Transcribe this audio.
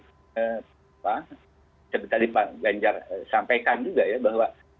seperti tadi pak ganjar sampaikan juga ya bahwa